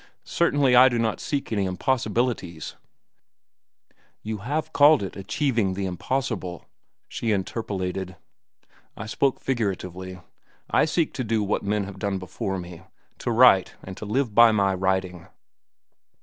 Certainly I do not seek any impossibilities—" "You have called it 'achieving the impossible,'" she interpolated. "I spoke figuratively. I seek to do what men have done before me—to write and to live by my writing."